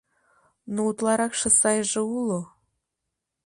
Но утларакше сайже уло...